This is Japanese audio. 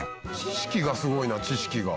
「知識がすごいな知識が」